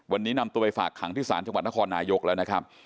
วันนี้นำตัวไปฝากขังที่ศาลจังหวัดนครนายกแล้วนะครับ